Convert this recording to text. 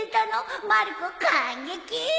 まる子感激！